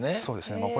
そうですね。